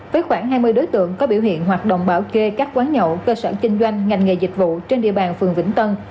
với khoảng hai mươi đối tượng có biểu hiện hoạt động bảo kê các quán nhậu cơ sở kinh doanh ngành nghề dịch vụ trên địa bàn phường vĩnh tân